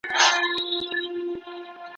له هر کونجه یې جلا کول غوښتنه